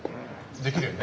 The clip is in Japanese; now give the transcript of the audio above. できるよね？